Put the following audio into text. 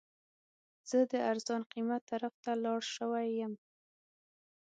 زه د ارزان قیمت طرف ته لاړ شوی یم.